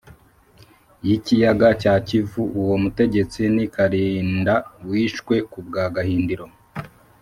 y’ikiyaga cya kivu uwo mutegetsi ni karinda wishwe ku bwa gahindiro